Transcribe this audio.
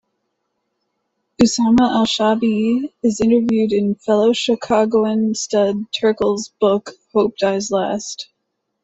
Usama Alshaibi is interviewed in fellow Chicagoan Studs Terkel's book "Hope Dies Last".